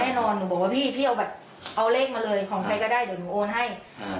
หนูบอกว่าพี่พี่เอาแบบเอาเลขมาเลยของใครก็ได้เดี๋ยวหนูโอนให้